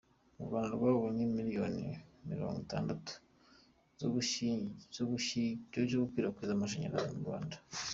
U Rwanda rwabonye miliyoni mirongo itandatu zo gukwirakwiza amashanyarazi mu Rwanda